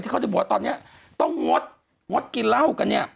เขาจะบอกว่าตอนนี้ต้องงดงดกินเหล้ากันเนี่ย